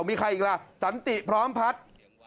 มีใครอีกล่ะสันติพร้อมพัฒน์